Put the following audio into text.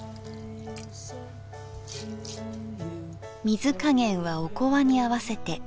水加減はおこわに合わせて。